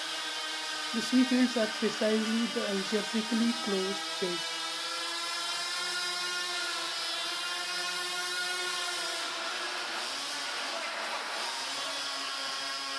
The C fields are precisely the algebraically closed fields.